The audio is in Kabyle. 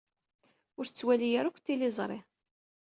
Ur tettwali ara akk tiliẓri.